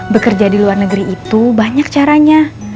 bekerja di luar negeri itu banyak caranya